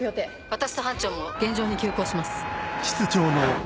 私と班長も現場に急行します。